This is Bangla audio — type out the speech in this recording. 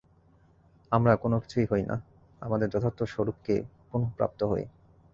আমরা কোন-কিছু হই না, আমাদের যথার্থ স্বরূপকেই পুনঃপ্রাপ্ত হই।